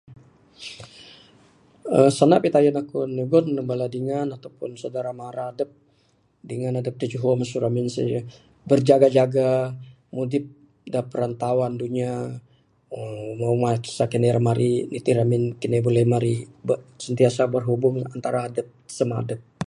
uhh sanda pitayen aku nyugon neg bala dingan ataupun saudara mara adep, dingan adep da juho masu ramin sien ceh berjaga jaga mudip da perantauan dunia, aaa.. wang masa kine rak marik nitih ramin kine buleh marik, bek... sentiasa berhubung antara adep samah adep.